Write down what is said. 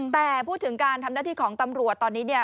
แต่พูดถึงการทำหน้าที่ของตำรวจตอนนี้เนี่ย